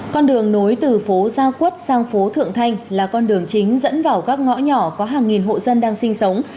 con đường nối từ phố gia quất sang phố thượng thanh là con đường chính dẫn vào các ngõ nhỏ có hàng nghìn hộ dân đang sinh sống